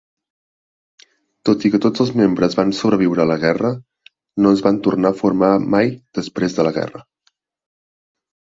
Tot i que tots els membres van sobreviure a la guerra, no es van tornar a formar mai després de la guerra.